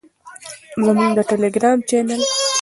زموږ د ټیلیګرام چینل